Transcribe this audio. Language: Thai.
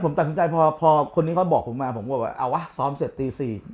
ผมตัดคือใจพอพอคนนี้เขาบอกมาผมว่าวะซ้อมเสร็จตี๔